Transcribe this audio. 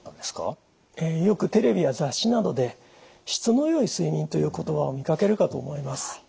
よくテレビや雑誌などで質の良い睡眠という言葉を見かけるかと思います。